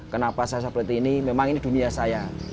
kenapa saya seperti ini memang ini dunia saya